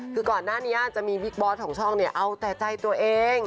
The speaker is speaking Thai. คือก่อนหน้านี้จะมีวิกบอสของช่องเนี่ยเอาแต่ใจตัวเอง